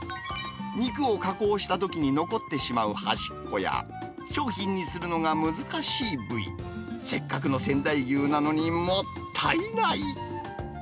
肉を加工したときに残ってしまう端っこや、商品にするのが難しい部位、せっかくの仙台牛なのにもったいない。